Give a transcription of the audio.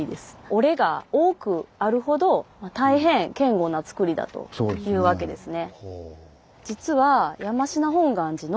「折れ」が多くあるほど大変堅固なつくりだというわけですね。